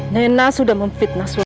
nena sudah memfitnah suami